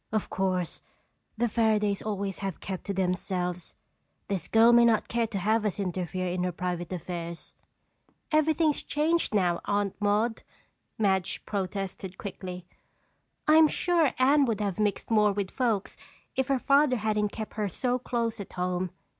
Of course, the Fairadays always have kept to themselves. This girl may not care to have us interfere in her private affairs." "Everything is changed now, Aunt Maude," Madge protested quickly. "I'm sure Anne would have mixed more with folks if her father hadn't kept her so close at home.